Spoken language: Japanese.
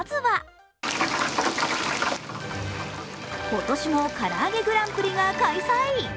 今年も、からあげグランプリが開催。